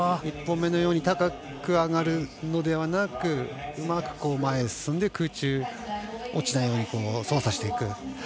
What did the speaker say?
１本目のように高く上がるのではなくうまく前に進んで空中、落ちないように操作していく。